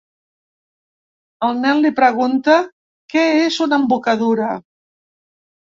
El nen li pregunta què és una embocadura.